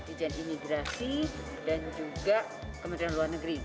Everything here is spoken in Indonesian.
dijen imigrasi dan juga kementerian luar negeri